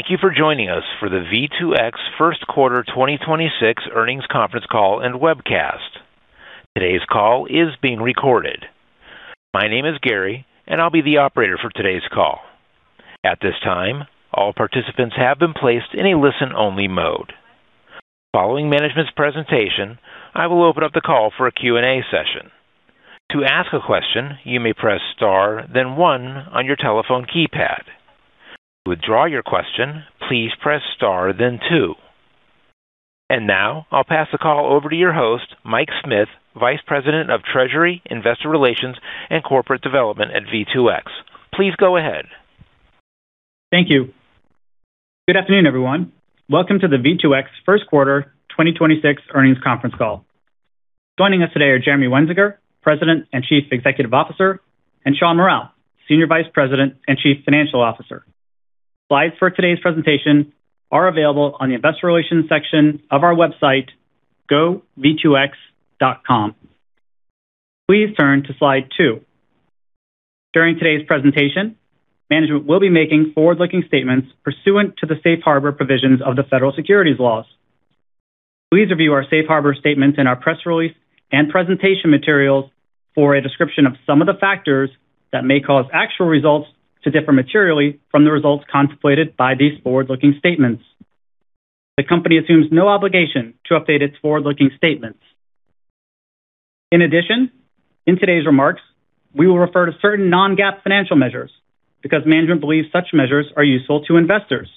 Thank you for joining us for the V2X 1st quarter 2026 earnings conference call and webcast. Today's call is being recorded. My name is Gary, and I'll be the operator for today's call. At this time, all participants have been placed in a listen-only mode. Following management's presentation, I will open up the call for a Q&A session. To ask a question, you may press star one on your telephone keypad. To withdraw your question, please press star two. Now I'll pass the call over to your host, Mike Smith, Vice President of Treasury, Investor Relations, and Corporate Development at V2X. Please go ahead. Thank you. Good afternoon, everyone. Welcome to the V2X first quarter 2026 earnings conference call. Joining us today are Jeremy Wensinger, President and Chief Executive Officer, and Shawn Mural, Senior Vice President and Chief Financial Officer. Slides for today's presentation are available on the investor relations section of our website, gov2x.com. Please turn to slide two. During today's presentation, management will be making forward-looking statements pursuant to the safe harbor provisions of the Federal Securities laws. Please review our safe harbor statements in our press release and presentation materials for a description of some of the factors that may cause actual results to differ materially from the results contemplated by these forward-looking statements. The company assumes no obligation to update its forward-looking statements. In addition, in today's remarks, we will refer to certain non-GAAP financial measures because management believes such measures are useful to investors.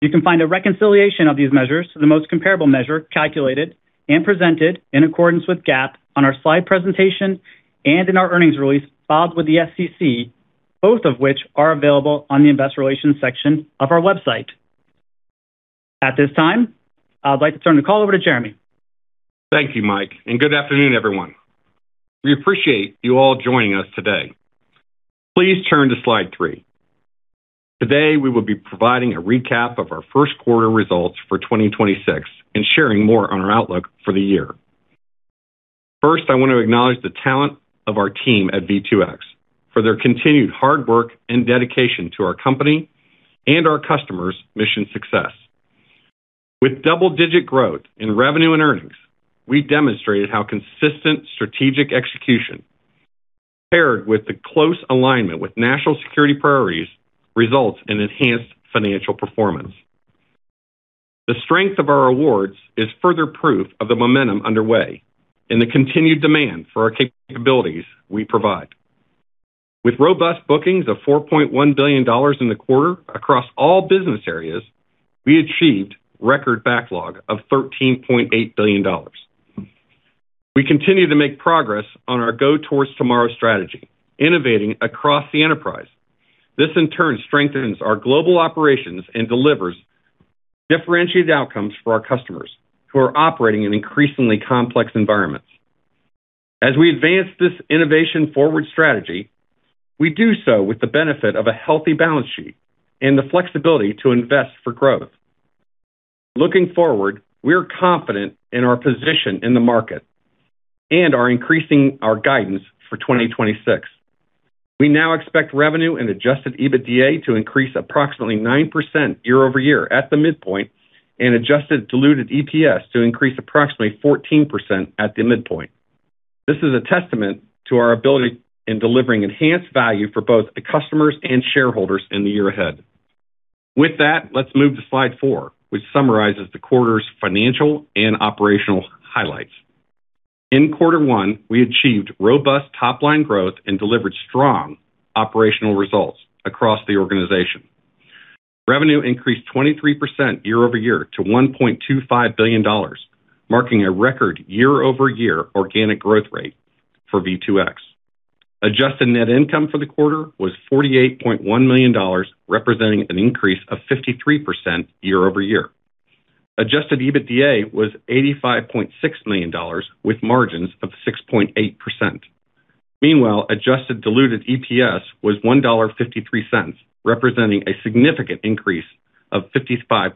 You can find a reconciliation of these measures to the most comparable measure calculated and presented in accordance with GAAP on our slide presentation and in our earnings release filed with the SEC, both of which are available on the investor relations section of our website. At this time, I'd like to turn the call over to Jeremy. Thank you, Mike. Good afternoon, everyone. We appreciate you all joining us today. Please turn to slide three. Today, we will be providing a recap of our first quarter results for 2026 and sharing more on our outlook for the year. First, I want to acknowledge the talent of our team at V2X for their continued hard work and dedication to our company and our customers' mission success. With double-digit growth in revenue and earnings, we demonstrated how consistent strategic execution, paired with the close alignment with national security priorities, results in enhanced financial performance. The strength of our awards is further proof of the momentum underway and the continued demand for our capabilities we provide. With robust bookings of $4.1 billion in the quarter across all business areas, we achieved record backlog of $13.8 billion. We continue to make progress on our Go Towards Tomorrow strategy, innovating across the enterprise. This, in turn, strengthens our global operations and delivers differentiated outcomes for our customers who are operating in increasingly complex environments. As we advance this innovation-forward strategy, we do so with the benefit of a healthy balance sheet and the flexibility to invest for growth. Looking forward, we are confident in our position in the market and are increasing our guidance for 2026. We now expect revenue and Adjusted EBITDA to increase approximately 9% year-over-year at the midpoint and adjusted diluted EPS to increase approximately 14% at the midpoint. This is a testament to our ability in delivering enhanced value for both the customers and shareholders in the year ahead. With that, let's move to slide four, which summarizes the quarter's financial and operational highlights. In quarter one, we achieved robust top-line growth and delivered strong operational results across the organization. Revenue increased 23% year-over-year to $1.25 billion, marking a record year-over-year organic growth rate for V2X. Adjusted net income for the quarter was $48.1 million, representing an increase of 53% year-over-year. Adjusted EBITDA was $85.6 million, with margins of 6.8%. Meanwhile, adjusted diluted EPS was $1.53, representing a significant increase of 55%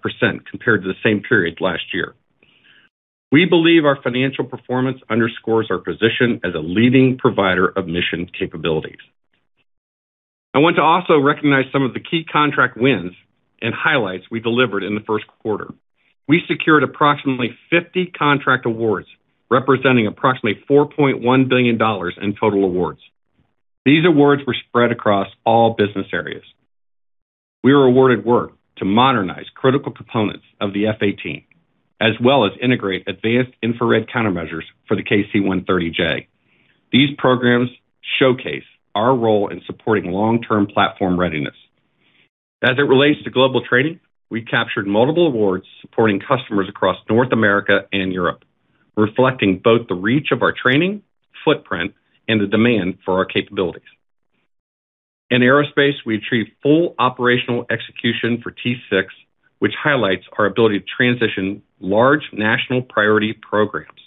compared to the same period last year. We believe our financial performance underscores our position as a leading provider of mission capabilities. I want to also recognize some of the key contract wins and highlights we delivered in the first quarter. We secured approximately 50 contract awards, representing approximately $4.1 billion in total awards. These awards were spread across all business areas. We were awarded work to modernize critical components of the F-18, as well as integrate advanced infrared countermeasures for the KC-130J. These programs showcase our role in supporting long-term platform readiness. As it relates to global trading, we captured multiple awards supporting customers across North America and Europe, reflecting both the reach of our training footprint and the demand for our capabilities. In aerospace, we achieved full operational execution for T-6, which highlights our ability to transition large national priority programs.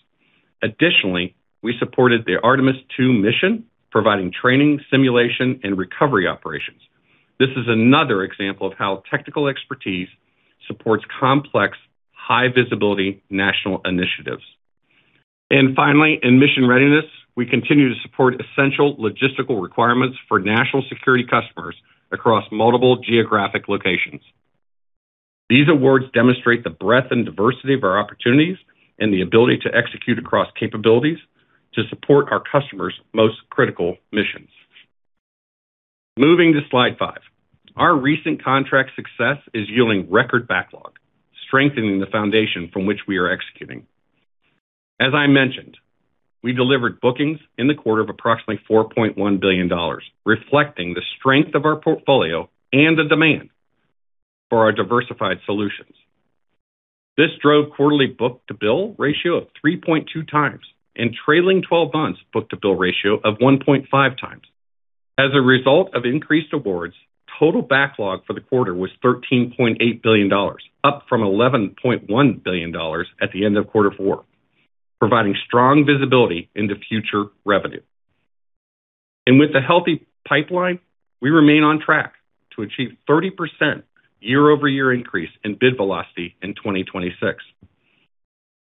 Additionally, we supported the Artemis II mission, providing training, simulation, and recovery operations. This is another example of how technical expertise supports complex, high-visibility national initiatives. Finally, in mission readiness, we continue to support essential logistical requirements for national security customers across multiple geographic locations. These awards demonstrate the breadth and diversity of our opportunities and the ability to execute across capabilities to support our customers' most critical missions. Moving to slide five. Our recent contract success is yielding record backlog, strengthening the foundation from which we are executing. As I mentioned, we delivered bookings in the quarter of approximately $4.1 billion, reflecting the strength of our portfolio and the demand for our diversified solutions. This drove quarterly book-to-bill ratio of 3.2x and trailing 12 months book-to-bill ratio of 1.5x. As a result of increased awards, total backlog for the quarter was $13.8 billion, up from $11.1 billion at the end of quarter four, providing strong visibility into future revenue. With a healthy pipeline, we remain on track to achieve 30% year-over-year increase in bid velocity in 2026.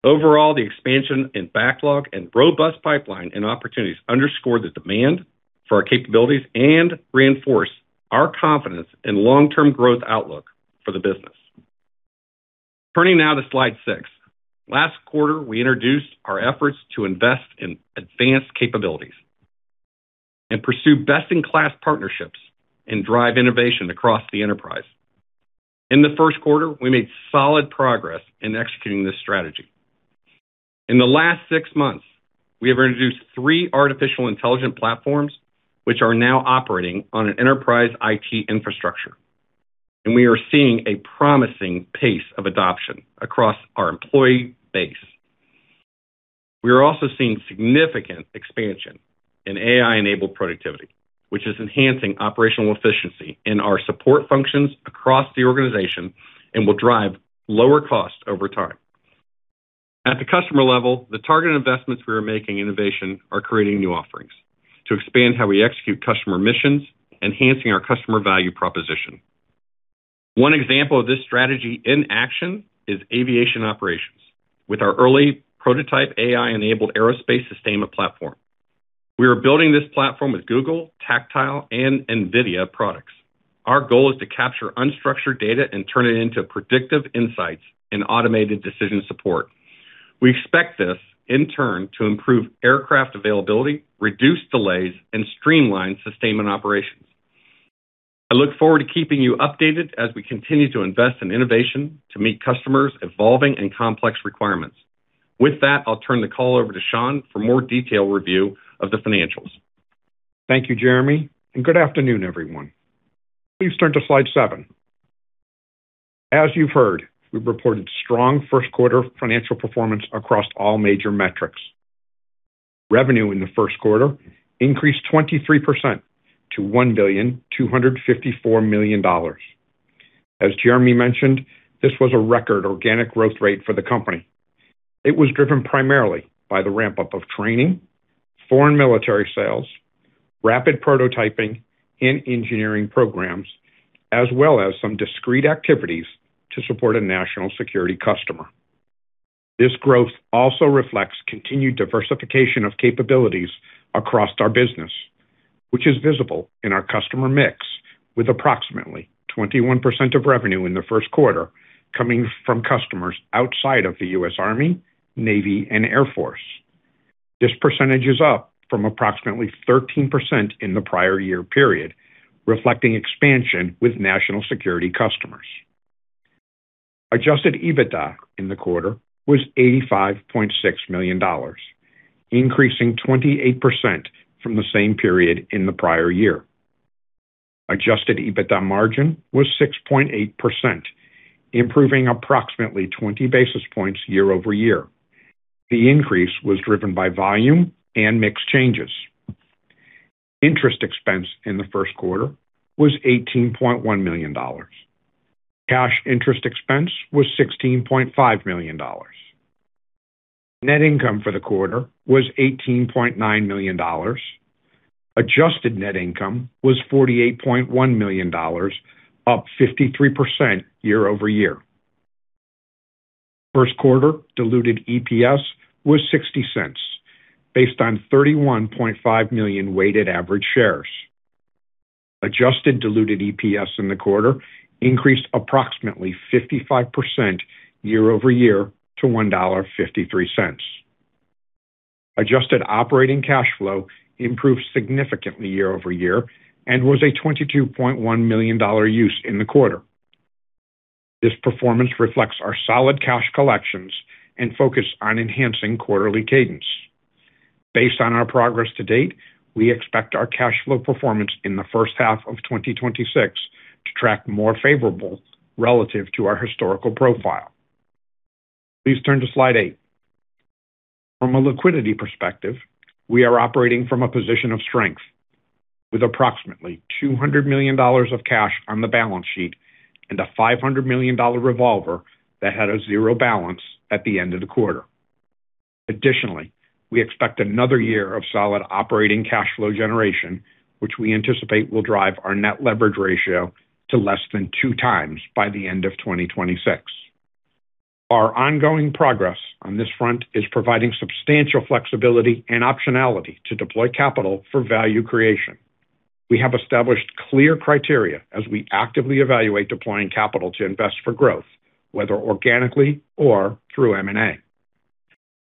Overall, the expansion in backlog and robust pipeline and opportunities underscore the demand for our capabilities and reinforce our confidence in long-term growth outlook for the business. Turning now to slide six. Last quarter, we introduced our efforts to invest in advanced capabilities and pursue best-in-class partnerships and drive innovation across the enterprise. In the first quarter, we made solid progress in executing this strategy. In the last six months, we have introduced three artificial intelligent platforms which are now operating on an enterprise IT infrastructure, and we are seeing a promising pace of adoption across our employee base. We are also seeing significant expansion in AI-enabled productivity, which is enhancing operational efficiency in our support functions across the organization and will drive lower cost over time. At the customer level, the targeted investments we are making in innovation are creating new offerings to expand how we execute customer missions, enhancing our customer value proposition. One example of this strategy in action is aviation operations with our early prototype AI-enabled aerospace sustainment platform. We are building this platform with Google, Tactile, and NVIDIA products. Our goal is to capture unstructured data and turn it into predictive insights and automated decision support. We expect this, in turn, to improve aircraft availability, reduce delays, and streamline sustainment operations. I look forward to keeping you updated as we continue to invest in innovation to meet customers' evolving and complex requirements. With that, I'll turn the call over to Shawn for more detailed review of the financials. Thank you, Jeremy. Good afternoon, everyone. Please turn to slide seven. As you've heard, we've reported strong first quarter financial performance across all major metrics. Revenue in the first quarter increased 23% to $1.254 billion. As Jeremy mentioned, this was a record organic growth rate for the company. It was driven primarily by the ramp-up of training, foreign military sales, rapid prototyping in engineering programs, as well as some discrete activities to support a national security customer. This growth also reflects continued diversification of capabilities across our business, which is visible in our customer mix with approximately 21% of revenue in the first quarter coming from customers outside of the U.S. Army, Navy, and Air Force. This percentage is up from approximately 13% in the prior year period, reflecting expansion with national security customers. Adjusted EBITDA in the quarter was $85.6 million, increasing 28% from the same period in the prior year. Adjusted EBITDA margin was 6.8%, improving approximately 20 basis points year-over-year. The increase was driven by volume and mix changes. Interest expense in the first quarter was $18.1 million. Cash interest expense was $16.5 million. Net income for the quarter was $18.9 million. Adjusted net income was $48.1 million, up 53% year-over-year. First quarter diluted EPS was $0.60 based on 31.5 million weighted average shares. Adjusted diluted EPS in the quarter increased approximately 55% year-over-year to $1.53. Adjusted operating cash flow improved significantly year-over-year and was a $22.1 million use in the quarter. This performance reflects our solid cash collections and focus on enhancing quarterly cadence. Based on our progress to date, we expect our cash flow performance in the first half of 2026 to track more favorable relative to our historical profile. Please turn to slide eight. From a liquidity perspective, we are operating from a position of strength with approximately $200 million of cash on the balance sheet and a $500 million revolver that had a zero balance at the end of the quarter. Additionally, we expect another year of solid operating cash flow generation, which we anticipate will drive our net leverage ratio to less than 2x by the end of 2026. Our ongoing progress on this front is providing substantial flexibility and optionality to deploy capital for value creation. We have established clear criteria as we actively evaluate deploying capital to invest for growth, whether organically or through M&A.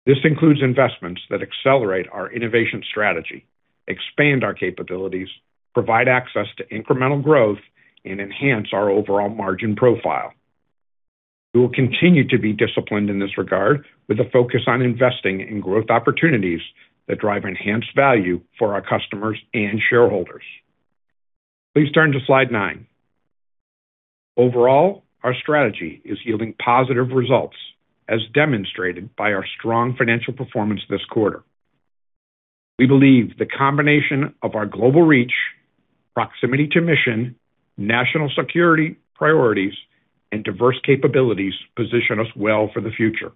This includes investments that accelerate our innovation strategy, expand our capabilities, provide access to incremental growth, and enhance our overall margin profile. We will continue to be disciplined in this regard with a focus on investing in growth opportunities that drive enhanced value for our customers and shareholders. Please turn to slide nine. Overall, our strategy is yielding positive results, as demonstrated by our strong financial performance this quarter. We believe the combination of our global reach, proximity to mission, national security priorities, and diverse capabilities position us well for the future.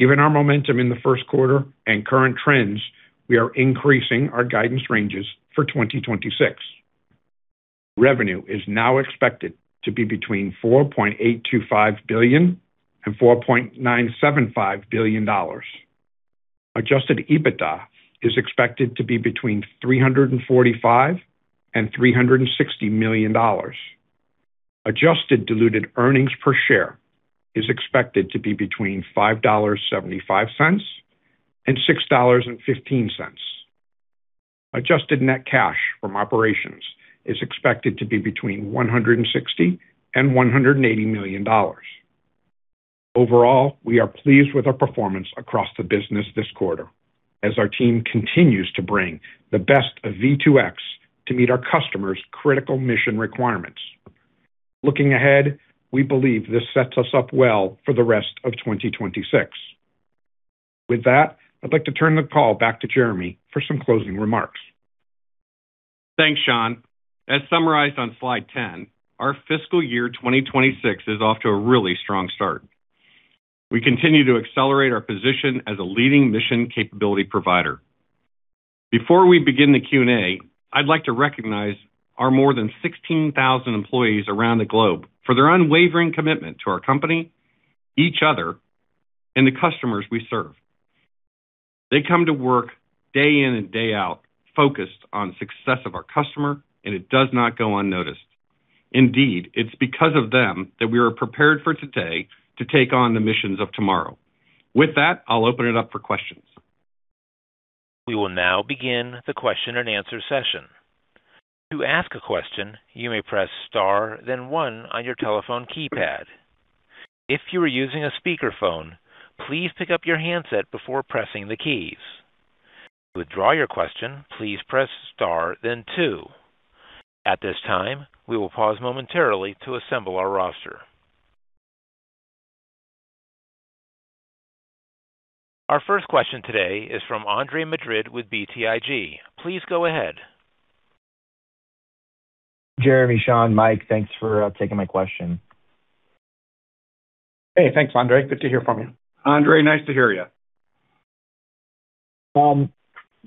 Given our momentum in the first quarter and current trends, we are increasing our guidance ranges for 2026. Revenue is now expected to be between $4.825 billion and $4.975 billion. Adjusted EBITDA is expected to be between $345 million and $360 million. Adjusted diluted earnings per share is expected to be between $5.75 and $6.15. Adjusted net cash from operations is expected to be between $160 million and $180 million. Overall, we are pleased with our performance across the business this quarter as our team continues to bring the best of V2X to meet our customers' critical mission requirements. Looking ahead, we believe this sets us up well for the rest of 2026. With that, I'd like to turn the call back to Jeremy for some closing remarks. Thanks, Shawn. As summarized on slide 10, our fiscal year 2026 is off to a really strong start. We continue to accelerate our position as a leading mission capability provider. Before we begin the Q&A, I'd like to recognize our more than 16,000 employees around the globe for their unwavering commitment to our company, each other, and the customers we serve. They come to work day in and day out, focused on success of our customer, and it does not go unnoticed. Indeed, it's because of them that we are prepared for today to take on the missions of tomorrow. With that, I'll open it up for questions. We will now begin the question and answer session. To a question you may press star then one on your telephone keypad. If you are using a speakerphone, please pick up your handset before pressing the keys. To withdraw your question, please press star then two. At this time, we will pause momentarily to assemble our roster. Our first question today is from Andre Madrid with BTIG. Please go ahead. Jeremy, Shawn, Mike, thanks for taking my question. Hey, thanks, Andre. Good to hear from you. Andre, nice to hear you.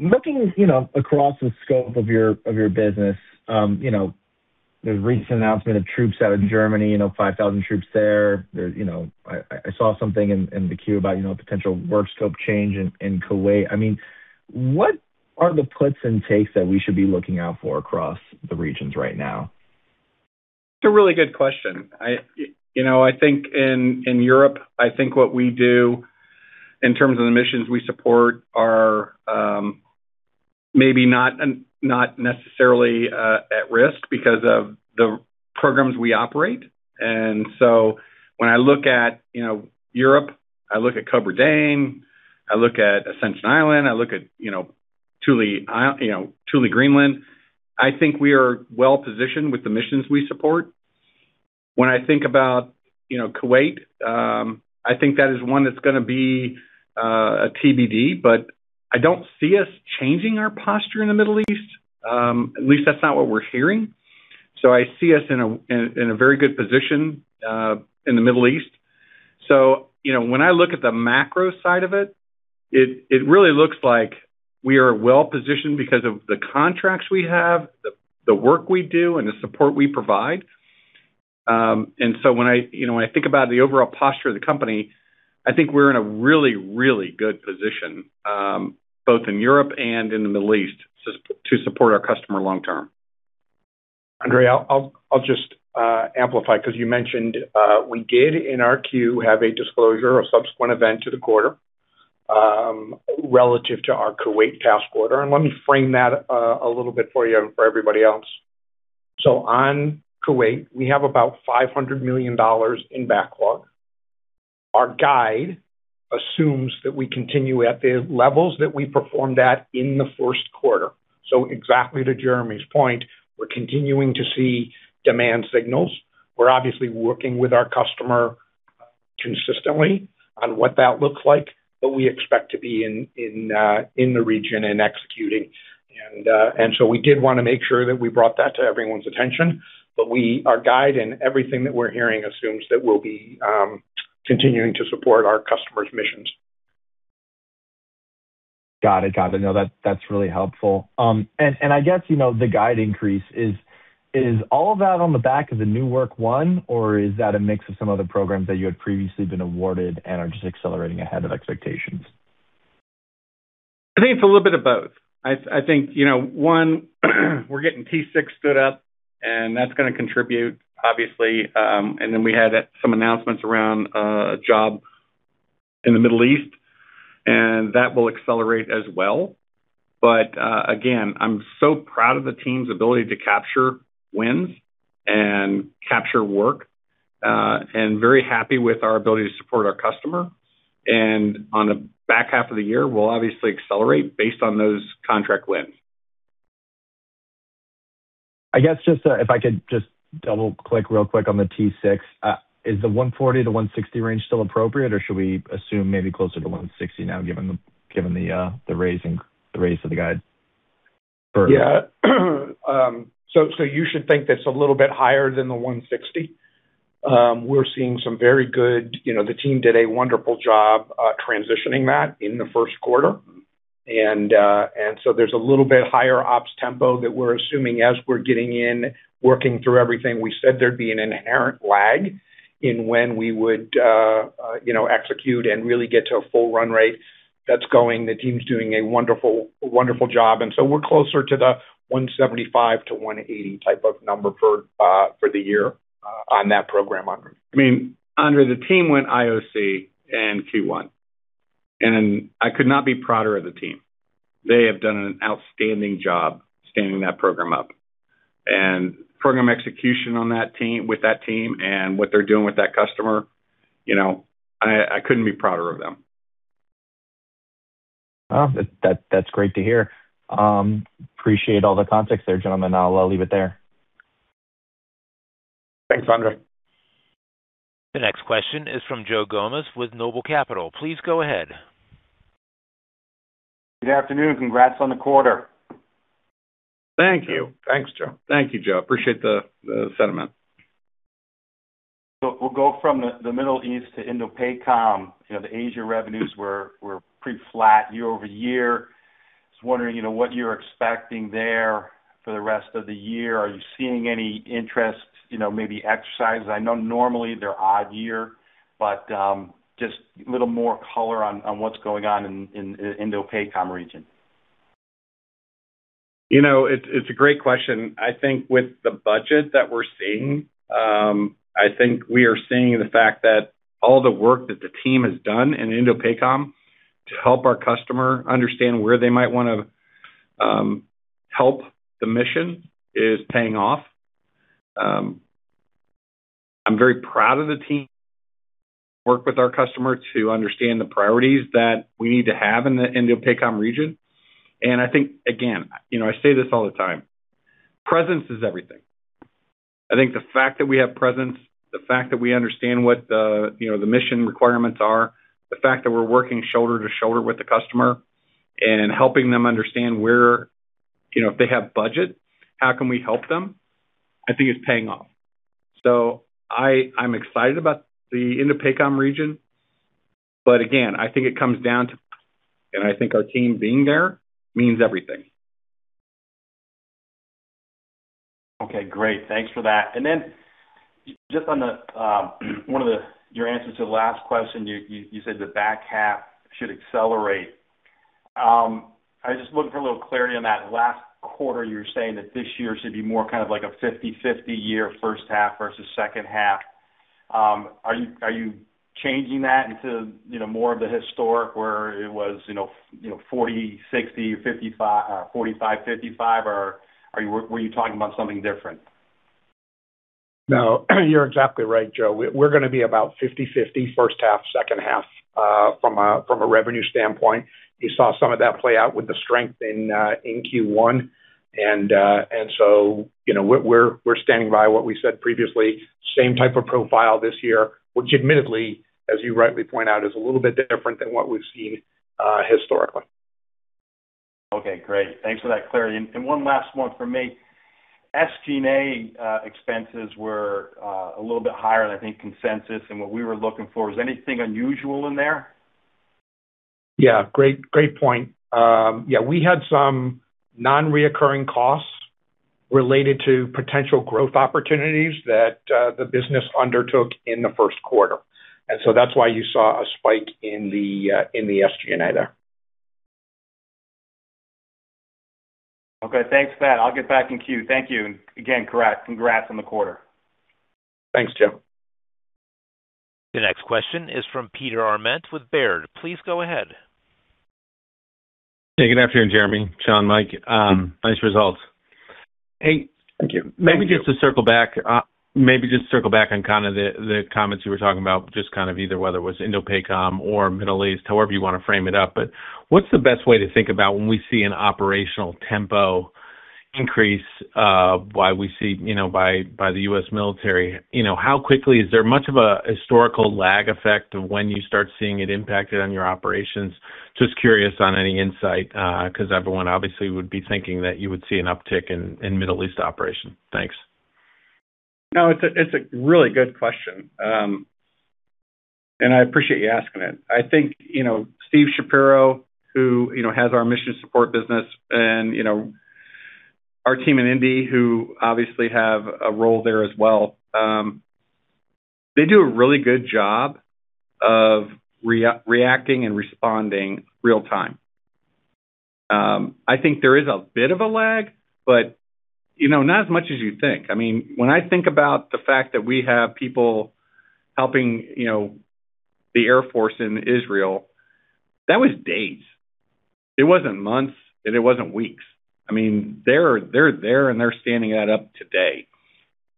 Looking across the scope of your business, the recent announcement of troops out of Germany, 5,000 troops there. There, I saw something in the queue about potential work scope change in Kuwait. What are the puts and takes that we should be looking out for across the regions right now? It's a really good question. I, you know, I think in Europe, I think what we do in terms of the missions we support are maybe not necessarily at risk because of the programs we operate. When I look at, you know, Europe, I look at COBRA DANE, I look at Ascension Island, I look at, you know, Thule, Greenland. I think we are well-positioned with the missions we support. When I think about, you know, Kuwait, I think that is one that's gonna be a TBD, but I don't see us changing our posture in the Middle East. At least that's not what we're hearing. I see us in a very good position in the Middle East. You know, when I look at the macro side of it really looks like we are well-positioned because of the contracts we have, the work we do, and the support we provide. When I, you know, when I think about the overall posture of the company, I think we're in a really, really good position, both in Europe and in the Middle East to support our customer long term. Andre, I'll just amplify, 'cause you mentioned, we did in our queue have a disclosure, a subsequent event to the quarter, relative to our Kuwait task order. Let me frame that a little bit for you and for everybody else. On Kuwait, we have about $500 million in backlog. Our guide assumes that we continue at the levels that we performed at in the first quarter. Exactly to Jeremy's point, we're continuing to see demand signals. We're obviously working with our customer consistently on what that looks like. We expect to be in the region and executing. We did wanna make sure that we brought that to everyone's attention. Our guide and everything that we're hearing assumes that we'll be continuing to support our customers' missions. Got it. That's really helpful. I guess, you know, the guide increase is all of that on the back of the new work won, or is that a mix of some of the programs that you had previously been awarded and are just accelerating ahead of expectations? I think it's a little bit of both. I think, you know, one, we're getting T-6 stood up, and that's gonna contribute obviously. Then we had some announcements around a job in the Middle East, and that will accelerate as well. Again, I'm so proud of the team's ability to capture wins and capture work, and very happy with our ability to support our customer. On the back half of the year, we'll obviously accelerate based on those contract wins. I guess just, if I could just double-click real quick on the T-6. Is the $140 million-$160 million range still appropriate? Or should we assume maybe closer to $160 million now, given the raise of the guide? You should think that it's a little bit higher than the $160 million. We're seeing some very good, you know, the team did a wonderful job transitioning that in the first quarter. There's a little bit higher ops tempo that we're assuming as we're getting in, working through everything. We said there'd be an inherent lag in when we would, you know, execute and really get to a full run rate. That's going. The team's doing a wonderful job. We're closer to the $175 million-$180 million type of number for the year on that program. I mean, Andre, the team went IOC in Q1, and I could not be prouder of the team. They have done an outstanding job standing that program up. Program execution on that team, with that team and what they're doing with that customer, you know, I couldn't be prouder of them. Well, that's great to hear. I appreciate all the context there, gentlemen. I'll leave it there. Thanks, Andre. The next question is from Joe Gomes with NOBLE Capital. Please go ahead. Good afternoon. Congrats on the quarter. Thank you. Thanks, Joe. Thank you, Joe. Appreciate the sentiment. We'll go from the Middle East to INDOPACOM. You know, the Asia revenues were pretty flat year-over-year. Just wondering, you know, what you're expecting there for the rest of the year? Are you seeing any interest, you know, maybe exercises? I know normally they're odd year, but, just little more color on what's going on in INDOPACOM region. You know, it's a great question. I think with the budget that we're seeing, I think we are seeing the fact that all the work that the team has done in INDOPACOM to help our customer understand where they might wanna help the mission is paying off. I'm very proud of the team, work with our customer to understand the priorities that we need to have in the INDOPACOM region. I think, again, you know, I say this all the time, presence is everything. I think the fact that we have presence, the fact that we understand what, you know, the mission requirements are, the fact that we're working shoulder to shoulder with the customer and helping them understand where, you know, if they have budget, how can we help them, I think is paying off. I'm excited about the INDOPACOM region, but again, I think it comes down to—I think our team being there means everything. Okay, great. Thanks for that. Just on the one of the, your answers to the last question, you said the back half should accelerate. I was just looking for a little clarity on that last quarter, you were saying that this year should be more kind of like a 50/50 year, first half versus second half. Are you changing that into, you know, more of the historic where it was, you know, 40/60, 55, 45/55? Or were you talking about something different? No, you're exactly right, Joe. We're gonna be about 50/50 first half, second half, from a revenue standpoint. You saw some of that play out with the strength in Q1. You know, we're standing by what we said previously. Same type of profile this year, which admittedly, as you rightly point out, is a little bit different than what we've seen historically. Okay, great. Thanks for that clarity. One last one from me. SG&A expenses were a little bit higher than, I think, consensus and what we were looking for. Is anything unusual in there? Yeah. Great, great point. Yeah, we had some non-recurring costs related to potential growth opportunities that the business undertook in the first quarter. That's why you saw a spike in the SG&A there. Okay. Thanks for that. I'll get back in queue. Thank you. Again, congrats on the quarter. Thanks, Joe. The next question is from Peter Arment with Baird. Please go ahead. Hey, good afternoon, Jeremy, Shawn, Mike. Nice results. Hey, thank you. Maybe just to circle back, maybe just circle back on kind of the comments you were talking about, just kind of either whether it was INDOPACOM or Middle East, however you wanna frame it up. What's the best way to think about when we see an operational tempo increase, why we see, you know, by the U.S. military, you know, how quickly is there much of a historical lag effect of when you start seeing it impacted on your operations? Just curious on any insight, 'cause everyone obviously would be thinking that you would see an uptick in Middle East operations. Thanks. No, it's a, it's a really good question. I appreciate you asking it. I think, you know, Steve Shapiro, who, you know, has our mission support business and, you know, our team in Indy, who obviously have a role there as well, they do a really good job of reacting and responding real time. I think there is a bit of a lag, but, you know, not as much as you think. I mean, when I think about the fact that we have people helping, you know, the Air Force in Israel, that was days. It wasn't months, and it wasn't weeks. I mean, they're there, and they're standing that up today.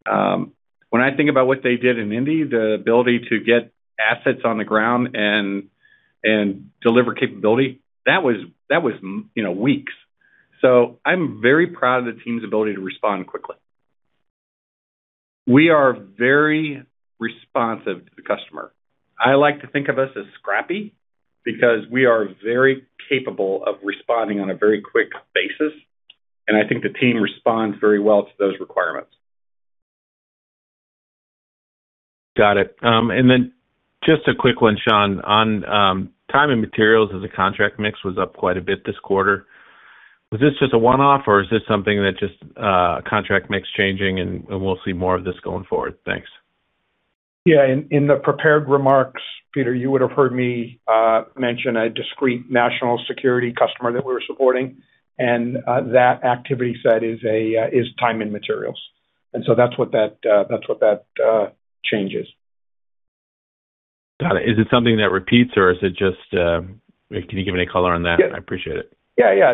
When I think about what they did in Indy, the ability to get assets on the ground and deliver capability, that was, you know, weeks. I'm very proud of the team's ability to respond quickly. We are very responsive to the customer. I like to think of us as scrappy because we are very capable of responding on a very quick basis, and I think the team responds very well to those requirements. Got it. Just a quick one, Shawn, on time and materials as a contract mix was up quite a bit this quarter. Was this just a one-off? Or is this something that just contract mix changing, and we'll see more of this going forward? Thanks. Yeah. In the prepared remarks, Peter, you would have heard me mention a discrete national security customer that we're supporting, and that activity set is a time and materials. So that's what that change is. Got it. Is it something that repeats? Or is it just, can you give any color on that? Yeah. I appreciate it. Yeah, yeah.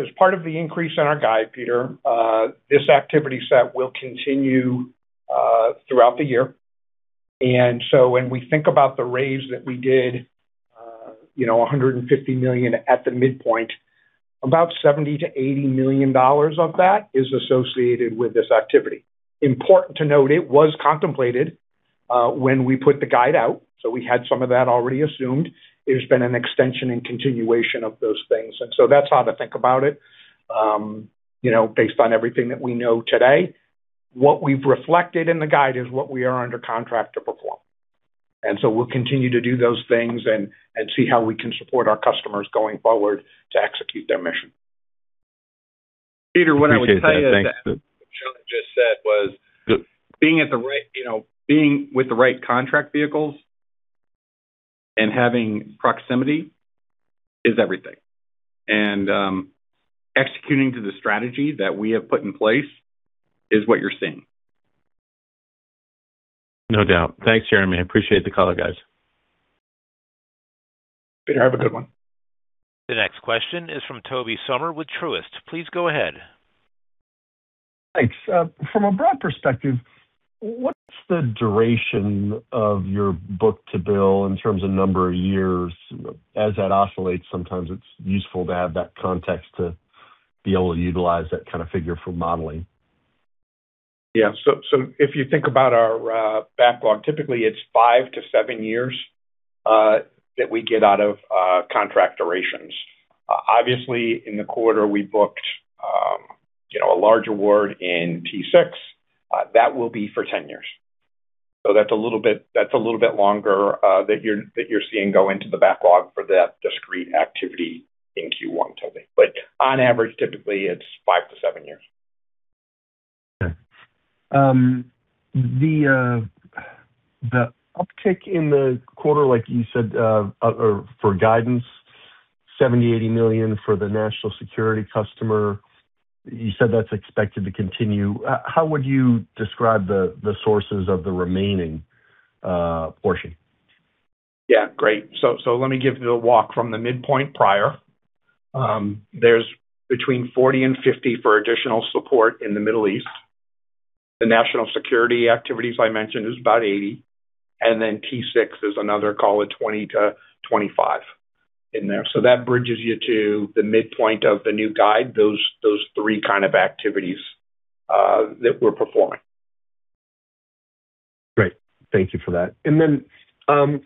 As part of the increase in our guide, Peter, this activity set will continue throughout the year. When we think about the raise that we did, you know, $150 million at the midpoint, about $70 million-$80 million of that is associated with this activity. Important to note, it was contemplated when we put the guide out, so we had some of that already assumed. It has been an extension and continuation of those things. That's how to think about it. You know, based on everything that we know today. What we've reflected in the guide is what we are under contract to perform. We'll continue to do those things and see how we can support our customers going forward to execute their mission. Peter, what I would tell you that Shawn just said was— —being at the right, you know, being with the right contract vehicles and having proximity is everything. Executing to the strategy that we have put in place is what you're seeing. No doubt. Thanks, Jeremy. I appreciate the color, guys. Peter, have a good one. The next question is from Tobey Sommer with Truist. Please go ahead. Thanks. From a broad perspective, what's the duration of your book-to-bill in terms of number of years? As that oscillates, sometimes it's useful to have that context to be able to utilize that kind of figure for modeling. Yeah. If you think about our backlog, typically it's five to seven years that we get out of contract durations. Obviously, in the quarter, we booked, you know, a large award in T-6. That will be for 10 years. That's a little bit longer that you're seeing go into the backlog for that discrete activity in Q1, Tobey. On average, typically it's five to seven years. Okay. The uptick in the quarter, like you said, or for guidance, $70 million-$80 million for the national security customer, you said that's expected to continue. How would you describe the sources of the remaining portion? Great. Let me give you a walk from the midpoint prior. There's between $40 million and $50 million for additional support in the Middle East. The national security activities I mentioned is about $80 million, and then T-6 is another call at $20 million-$25 million in there. That bridges you to the midpoint of the new guide, those three kind of activities that we're performing. Great. Thank you for that.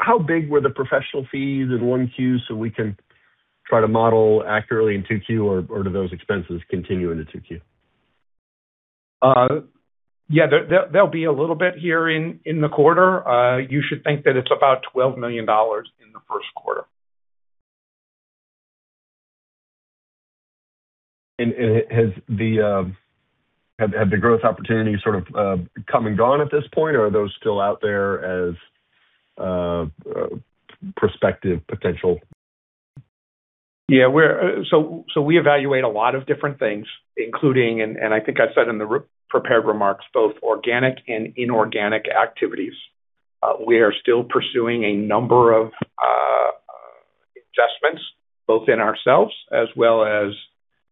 How big were the professional fees in 1Q so we can try to model accurately in 2Q, or do those expenses continue into 2Q? Yeah. There'll be a little bit here in the quarter. You should think that it's about $12 million in the first quarter. Has the—have the growth opportunities sort of come and gone at this point, or are those still out there as prospective potential? We evaluate a lot of different things, including, and I think I said in the prepared remarks, both organic and inorganic activities. We are still pursuing a number of adjustments, both in ourselves as well as,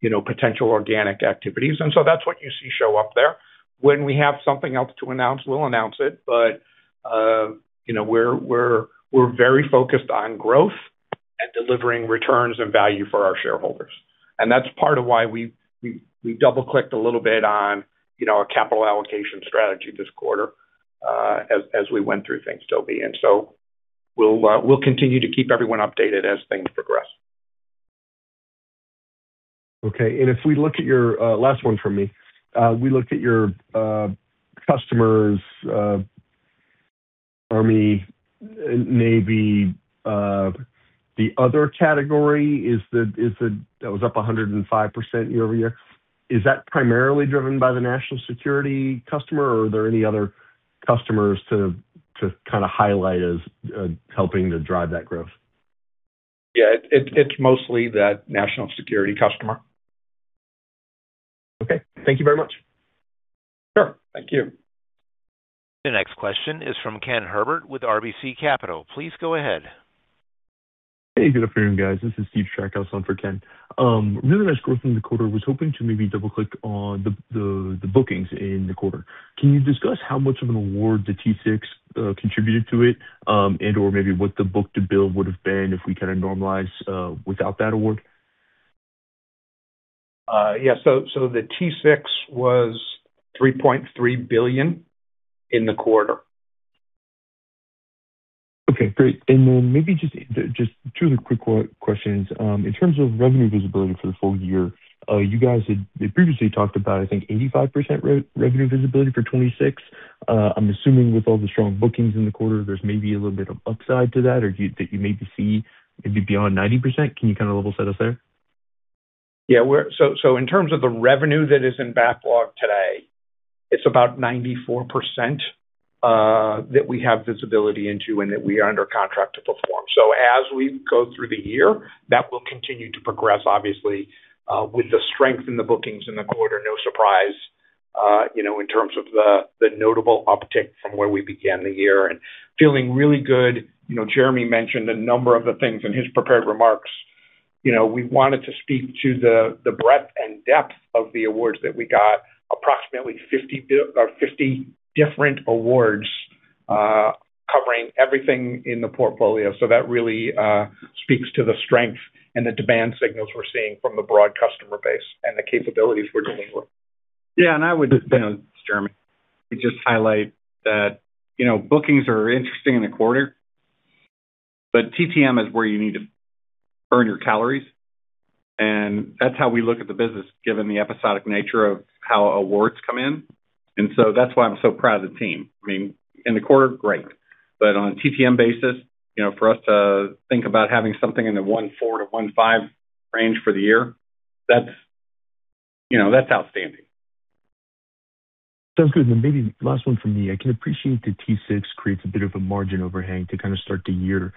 you know, potential organic activities. That's what you see show up there. When we have something else to announce, we'll announce it. You know, we're very focused on growth and delivering returns and value for our shareholders. That's part of why we double-clicked a little bit on, you know, our capital allocation strategy this quarter, as we went through things, Tobey. We'll continue to keep everyone updated as things progress. Okay. If we look at your—last one from me. We look at your customers, Army, Navy, the other category that was up 105% year-over-year. Is that primarily driven by the national security customer? Or are there any other customers to kind of highlight as helping to drive that growth? Yeah, it's mostly that national security customer. Okay. Thank you very much. Sure. Thank you. The next question is from Ken Herbert with RBC Capital. Please go ahead. Hey, good afternoon, guys. This is Steve on for Ken. Really nice growth in the quarter. Was hoping to maybe double-click on the, the bookings in the quarter. Can you discuss how much of an award the T-6 contributed to it? And/Or maybe what the book-to-bill would have been if we kind of normalize without that award? Yeah. The T-6 was $3.3 billion in the quarter. Okay, great. Then maybe just two other quick questions. In terms of revenue visibility for the full year, you guys had previously talked about, I think, 85% revenue visibility for 2026. I'm assuming with all the strong bookings in the quarter, there's maybe a little bit of upside to that, or that you see beyond 90%. Can you kind of level set us there? Yeah. In terms of the revenue that is in backlog today, it's about 94% that we have visibility into and that we are under contract to perform. As we go through the year, that will continue to progress, obviously, with the strength in the bookings in the quarter, no surprise, you know, in terms of the notable uptick from where we began the year. Feeling really good. You know, Jeremy mentioned a number of the things in his prepared remarks. You know, we wanted to speak to the breadth and depth of the awards that we got. Approximately 50 different awards, covering everything in the portfolio. That really speaks to the strength and the demand signals we're seeing from the broad customer base and the capabilities we're delivering. Yeah. I would just, it's Jeremy. I'd just highlight that, you know, bookings are interesting in the quarter, but TTM is where you need to burn your calories, and that's how we look at the business, given the episodic nature of how awards come in. That's why I'm so proud of the team. I mean, in the quarter, great. On a TTM basis, you know, for us to think about having something in the 1.4x to 1.5x range for the year, that's, you know, that's outstanding. Sounds good. Maybe last one from me. I can appreciate the T-6 creates a bit of a margin overhang to kind of start the year.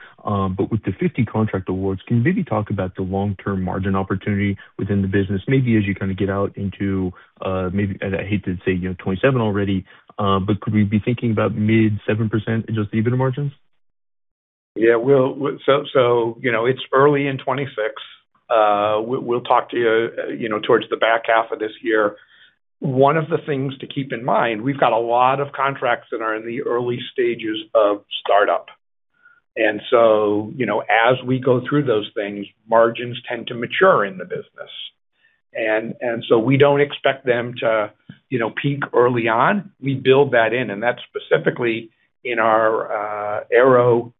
With the 50 contract awards, can you maybe talk about the long-term margin opportunity within the business? Maybe as you kind of get out into, maybe, and I hate to say, you know, 2027 already, but could we be thinking about mid 7% in just EBITDA margins? You know, it's early in 2026. We'll talk to you know, towards the back half of this year. One of the things to keep in mind, we've got a lot of contracts that are in the early stages of startup. You know, as we go through those things, margins tend to mature in the business. We don't expect them to, you know, peak early on. We build that in, and that's specifically in our aero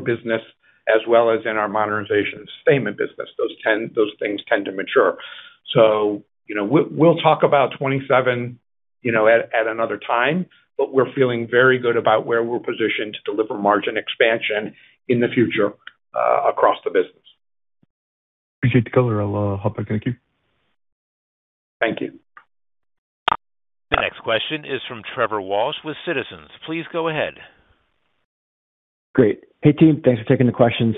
business as well as in our modernization sustainment business. Those things tend to mature. You know, we'll talk about 2027, you know, at another time, but we're feeling very good about where we're positioned to deliver margin expansion in the future across the business. Appreciate the color. I'll hop back. Thank you. Thank you. The next question is from Trevor Walsh with Citizens. Please go ahead. Great. Hey, team. Thanks for taking the questions.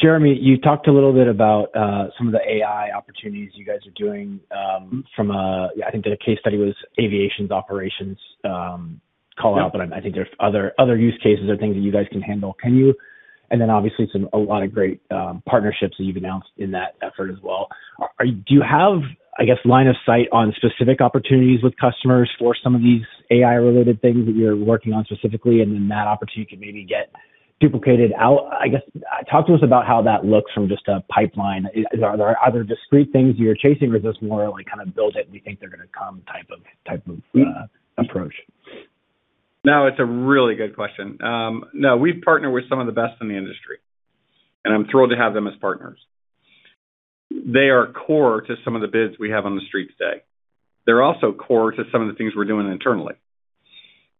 Jeremy, you talked a little bit about some of the AI opportunities you guys are doing, I think the case study was aviation's operations, call out. Yeah. I think there's other use cases or things that you guys can handle. Obviously a lot of great partnerships that you've announced in that effort as well. Do you have, I guess, line of sight on specific opportunities with customers for some of these AI-related things that you're working on specifically and then that opportunity can maybe get duplicated out? I guess, talk to us about how that looks from just a pipeline. Are there discrete things you're chasing or is this more like kind of build it, we think they're gonna come type of approach? No, it's a really good question. No, we partner with some of the best in the industry, and I'm thrilled to have them as partners. They are core to some of the bids we have on the street today. They're also core to some of the things we're doing internally.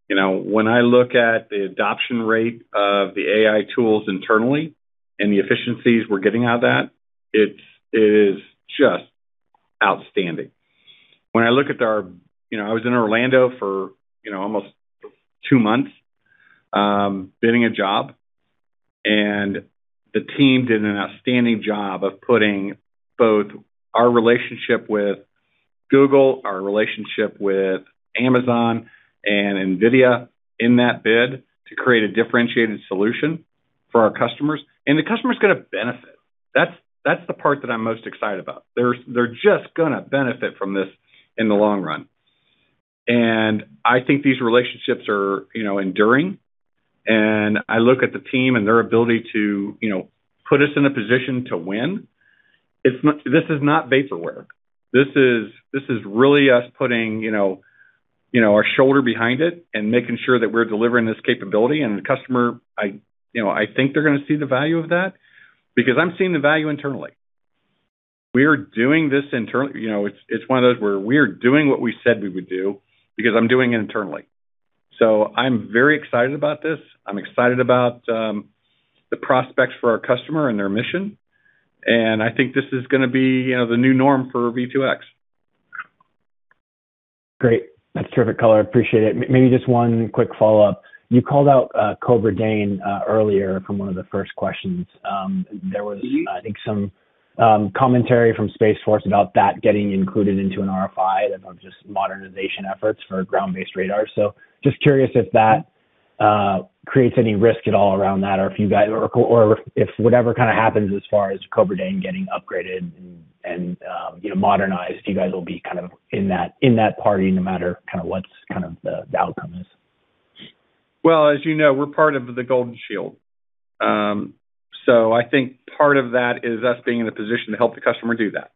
You know, when I look at the adoption rate of the AI tools internally and the efficiencies we're getting out of that, it is just outstanding. When I look at our, you know, I was in Orlando for, you know, almost two months, bidding a job, and the team did an outstanding job of putting both our relationship with Google, our relationship with Amazon and NVIDIA in that bid to create a differentiated solution for our customers. The customer's gonna benefit. That's the part that I'm most excited about. They're just gonna benefit from this in the long run. I think these relationships are, you know, enduring, and I look at the team and their ability to, you know, put us in a position to win. This is not vaporware. This is really us putting, you know, our shoulder behind it and making sure that we're delivering this capability. The customer, I, you know, I think they're gonna see the value of that because I'm seeing the value internally. We're doing this internally. You know, it's one of those where we're doing what we said we would do because I'm doing it internally. I'm very excited about this. I'm excited about the prospects for our customer and their mission. I think this is gonna be, you know, the new norm for V2X. Great. That's terrific color. Appreciate it. Maybe just one quick follow-up. You called out COBRA DANE earlier from one of the first questions. Mm-hmm I think some commentary from Space Force about that getting included into an RFI of just modernization efforts for ground-based radar. Just curious if that creates any risk at all around that or if you guys or if whatever kinda happens as far as COBRA DANE getting upgraded and, you know, modernized, you guys will be kind of in that, in that party no matter kind of what's the outcome is. Well, as you know, we're part of the Golden Shield. I think part of that is us being in a position to help the customer do that.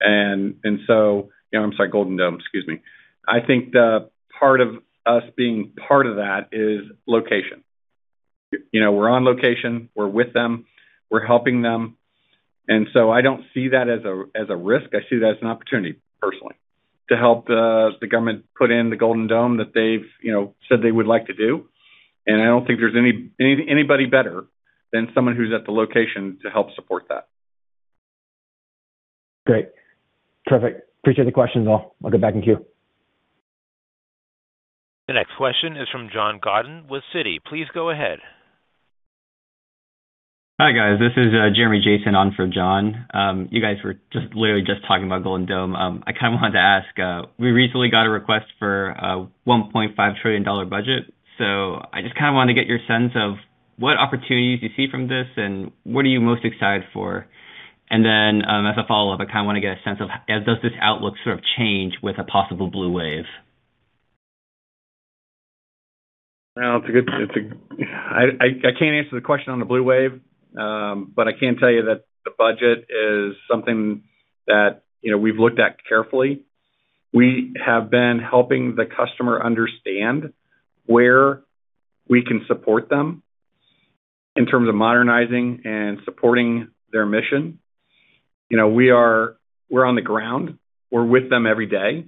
You know, I'm sorry, Golden Dome. Excuse me. I think the part of us being part of that is location. You know, we're on location, we're with them, we're helping them. I don't see that as a risk. I see that as an opportunity, personally, to help the government put in the Golden Dome that they've, you know, said they would like to do. I don't think there's anybody better than someone who's at the location to help support that. Great. Terrific. Appreciate the questions, all. I'll get back in queue. The next question is from John Godden with Citi. Please go ahead. Hi, guys. This is Jeremy Jason on for John. You guys were just literally just talking about Golden Dome. I kind of wanted to ask, we recently got a request for a $1.5 trillion budget. I just kind of wanted to get your sense of what opportunities you see from this and what are you most excited for? As a follow-up, I kind of want to get a sense of how does this outlook sort of change with a possible blue wave? Well, I can't answer the question on the blue wave, I can tell you that the budget is something that, you know, we've looked at carefully. We have been helping the customer understand where we can support them in terms of modernizing and supporting their mission. You know, we're on the ground. We're with them every day.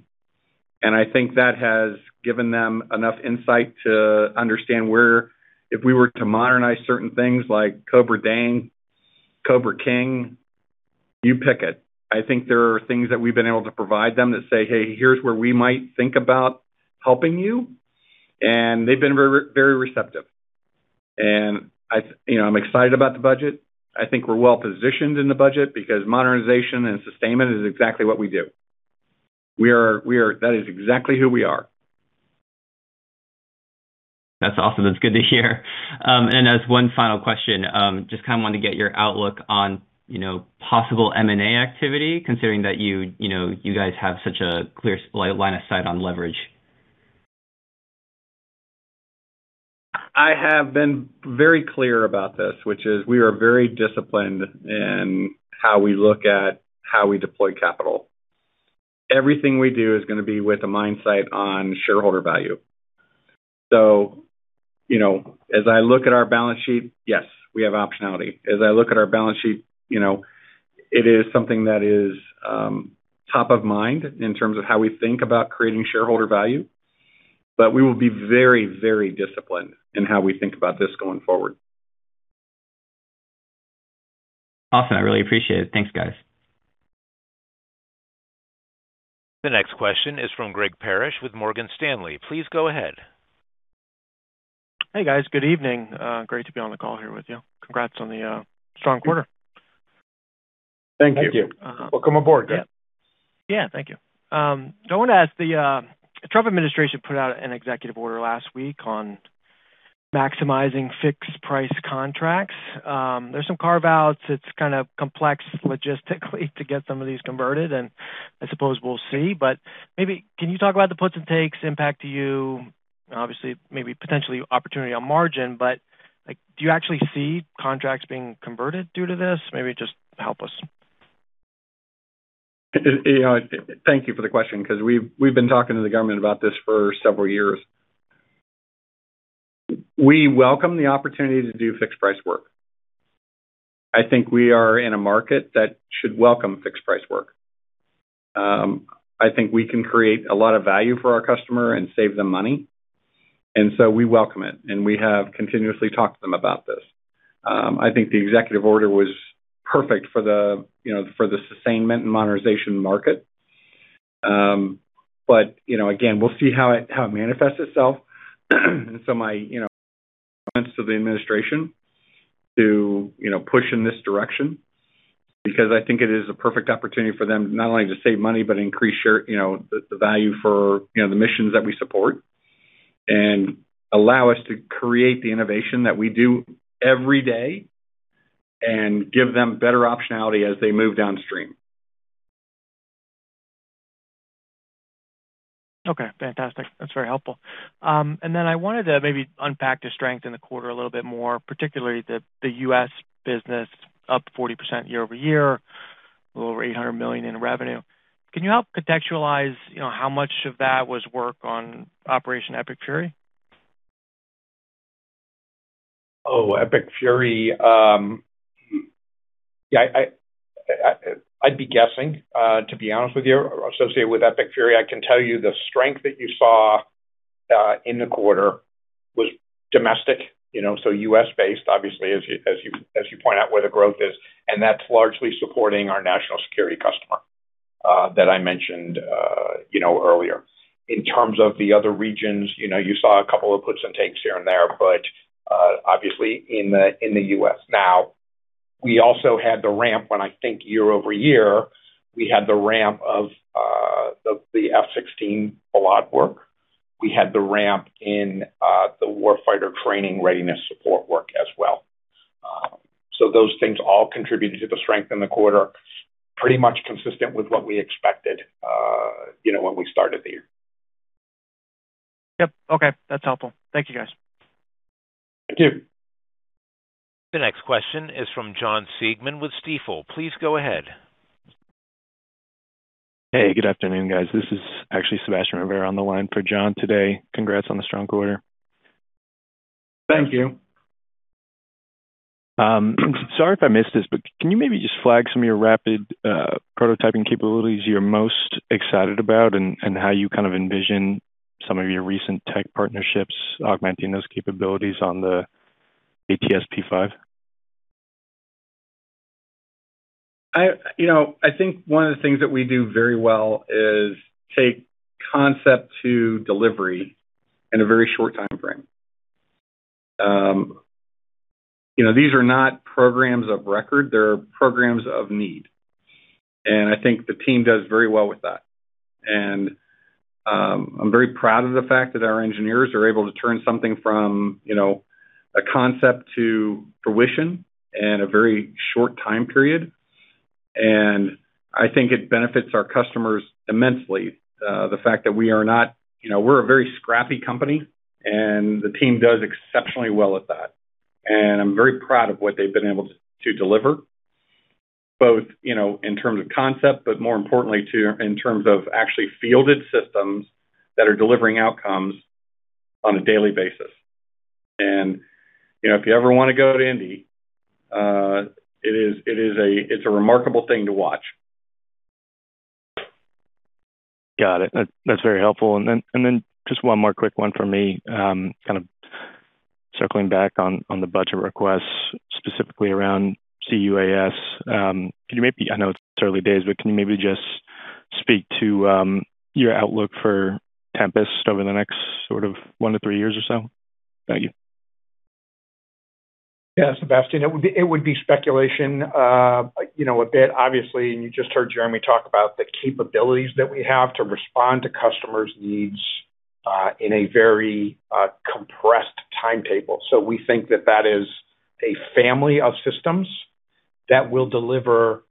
I think that has given them enough insight to understand where if we were to modernize certain things like COBRA DANE, COBRA KING, you pick it. I think there are things that we've been able to provide them that say, "Hey, here's where we might think about helping you." They've been very receptive. I, you know, I'm excited about the budget. I think we're well-positioned in the budget because modernization and sustainment is exactly what we do. That is exactly who we are. That's awesome. That's good to hear. As one final question, just kind of want to get your outlook on, you know, possible M&A activity, considering that you know, you guys have such a clear line of sight on leverage. I have been very clear about this, which is we are very disciplined in how we look at how we deploy capital. Everything we do is gonna be with a mindset on shareholder value. You know, as I look at our balance sheet, yes, we have optionality. As I look at our balance sheet, you know, it is something that is top of mind in terms of how we think about creating shareholder value, but we will be very, very disciplined in how we think about this going forward. Awesome. I really appreciate it. Thanks, guys. The next question is from Greg Parrish with Morgan Stanley. Please go ahead. Hey, guys. Good evening. Great to be on the call here with you. Congrats on the strong quarter. Thank you. Thank you. Welcome aboard, Greg. Thank you. I wanna ask. The Trump administration put out an executive order last week on maximizing fixed-price contracts. There's some carve-outs. It's kind of complex logistically to get some of these converted, and I suppose we'll see. Maybe can you talk about the puts and takes impact to you? Obviously, maybe potentially opportunity on margin, but, like, do you actually see contracts being converted due to this? Maybe just help us. You know, thank you for the question because we've been talking to the government about this for several years. We welcome the opportunity to do fixed-price work. I think we are in a market that should welcome fixed-price work. I think we can create a lot of value for our customer and save them money. We welcome it, and we have continuously talked to them about this. I think the executive order was perfect for the, you know, for the sustainment and modernization market. You know, again, we'll see how it, how it manifests itself. My, you know, thanks to the administration to, you know, push in this direction because I think it is a perfect opportunity for them not only to save money but increase share, you know, the value for, you know, the missions that we support and allow us to create the innovation that we do every day and give them better optionality as they move downstream. Okay, fantastic. That's very helpful. Then I wanted to maybe unpack the strength in the quarter a little bit more, particularly the U.S. business, up 40% year-over-year, a little over $800 million in revenue. Can you help contextualize, you know, how much of that was work on Operation Epic Fury? Epic Fury. Yeah, I'd be guessing to be honest with you. Associated with Epic Fury, I can tell you the strength that you saw in the quarter was domestic, you know, so U.S.-based, obviously, as you point out where the growth is, and that's largely supporting our national security customer that I mentioned, you know, earlier. In terms of the other regions, you know, you saw a couple of puts and takes here and there, but obviously in the U.S. We also had the ramp when I think year-over-year, we had the ramp of the F-16 ALOT work. We had the ramp in the Warfighter-Training Readiness support work as well. Those things all contributed to the strength in the quarter, pretty much consistent with what we expected, you know, when we started the year. Yep. Okay. That's helpful. Thank you, guys. Thank you. The next question is from Jon Siegmann with Stifel. Please go ahead. Hey, good afternoon, guys. This is actually Sebastian Rivera on the line for Jon today. Congrats on the strong quarter. Thank you. Thank you. Sorry if I missed this, can you maybe just flag some of your rapid prototyping capabilities you're most excited about and how you kind of envision some of your recent tech partnerships augmenting those capabilities on the ATSP-5? You know, I think one of the things that we do very well is take concept to delivery in a very short timeframe. You know, these are not programs of record, they're programs of need, I think the team does very well with that. I'm very proud of the fact that our engineers are able to turn something from, you know, a concept to fruition in a very short time period. I think it benefits our customers immensely. You know, we're a very scrappy company, the team does exceptionally well at that. I'm very proud of what they've been able to deliver, both, you know, in terms of concept, but more importantly, in terms of actually fielded systems that are delivering outcomes on a daily basis. You know, if you ever wanna go to Indy, it's a remarkable thing to watch. Got it. That's very helpful. Just one more quick one from me, kind of circling back on the budget requests, specifically around CUAS. Can you maybe, I know it's early days, but can you maybe just speak to your outlook for Tempest over the next sort of one to three years or so? Thank you. Sebastian, it would be speculation, you know, a bit, obviously. You just heard Jeremy talk about the capabilities that we have to respond to customers' needs in a very compressed timetable. We think that that is a family of systems that will deliver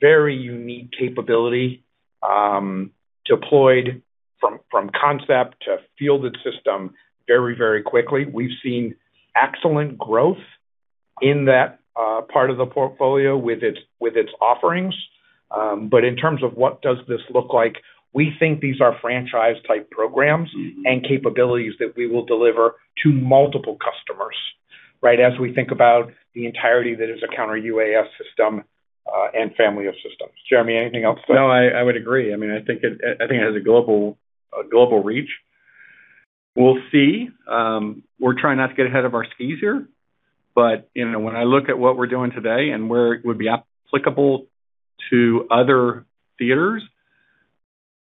very unique capability, deployed from concept to fielded system very, very quickly. We've seen excellent growth in that part of the portfolio with its offerings. In terms of what does this look like, we think these are franchise-type programs— Mm-hmm. —and capabilities that we will deliver to multiple customers, right? As we think about the entirety that is a Counter-UAS system and family of systems. Jeremy, anything else? No, I would agree. I mean, I think it has a global reach. We'll see. We're trying not to get ahead of our skis here. You know, when I look at what we're doing today and where it would be applicable to other theaters,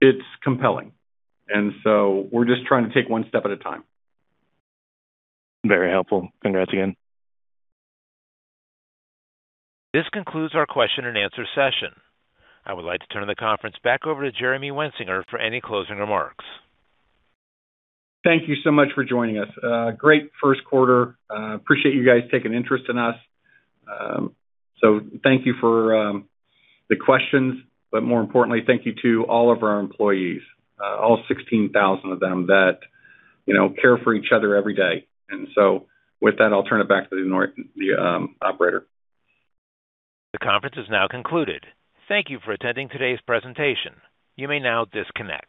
it's compelling. We're just trying to take one step at a time. Very helpful. Congrats again. This concludes our question and answer session. I would like to turn the conference back over to Jeremy Wensinger for any closing remarks. Thank you so much for joining us. Great first quarter. Appreciate you guys taking interest in us. Thank you for the questions, but more importantly, thank you to all of our employees, all 16,000 of them that, you know, care for each other every day. With that, I'll turn it back to the operator. The conference is now concluded. Thank you for attending today's presentation. You may now disconnect.